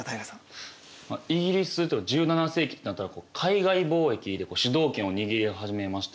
まあイギリスとか１７世紀ってなったら海外貿易で主導権を握り始めましたよね。